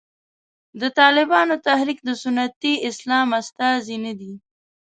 د طالبانو تحریک د سنتي اسلام استازی نه دی.